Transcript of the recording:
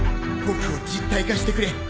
僕を実体化してくれ！